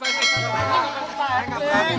saya takut pak rt